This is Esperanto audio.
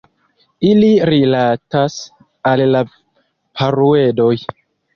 Ili rilatas al la Paruedoj.